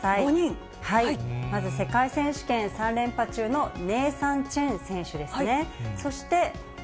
まず、世界選手権３連覇中のネイサン・チェン選手ですね。